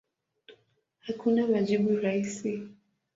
Hakuna majibu rahisi.